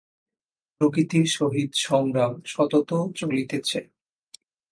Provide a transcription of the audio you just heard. প্রকৃতির সহিত সংগ্রাম সতত চলিতেছে।